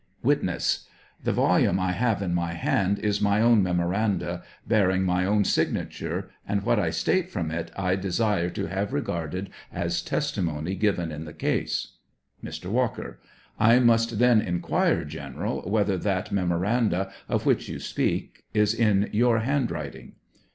Witness. The volume I have in my hand is my own memoranda, bearing my own signature, and what I state from it I desire to have regarded as testimony given in the case. Mr. Walker. I must then inquire, General; whether that memoranda, of which you speak, is in your hand writing.